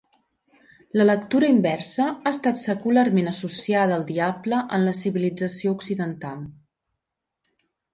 La lectura inversa ha estat secularment associada al diable en la civilització occidental.